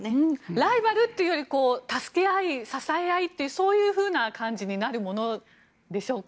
ライバルっていうより助け合い、支え合いっていうそういうふうな感じになるものでしょうか。